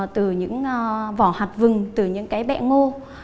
từ những vỏ hạt vừng từ những bẹ ngô